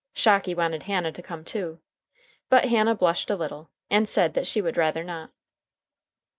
Shocky wanted Hannah to come too. But Hannah blushed a little, and said that she would rather not.